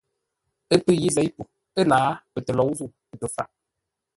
Ə́ pə̂ yé zěi po ə́lǎa pətəlǒu-zə̂u, pə tə-faʼ.